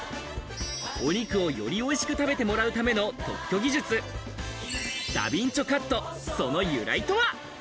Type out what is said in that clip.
お肉をより美味しく食べてもらうための特許技術、駄敏丁カット、その由来とは？